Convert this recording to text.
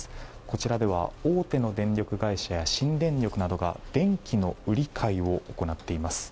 こちらでは大手の電力会社や新電力などが電気の売り買いを行っています。